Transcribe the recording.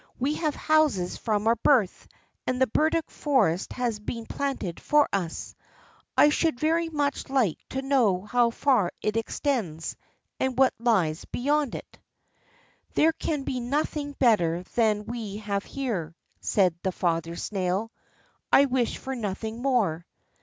We have houses from our birth, and the burdock forest has been planted for us. I should very much like to know how far it extends, and what lies beyond it." "There can be nothing better than we have here," said the father snail; "I wish for nothing more."